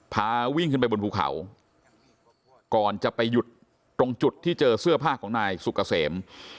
พาวิ่งขึ้นไปบนภูเขาก่อนจะไปหยุดตรงจุดที่เจอเสื้อผ้าของนายสุกเกษม